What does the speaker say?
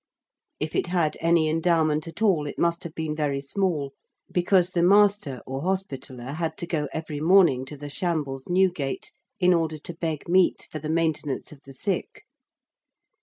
If it had any endowment at all it must have been very small, because the Master or Hospitaller had to go every morning to the Shambles, Newgate, in order to beg meat for the maintenance of the sick.